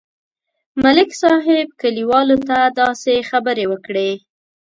ملک صاحب کلیوالو ته داسې خبرې وکړې.